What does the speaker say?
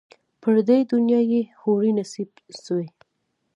پر دې دنیا یې حوري نصیب سوې